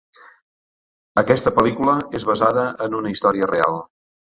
Aquesta pel·lícula és basada en una història real.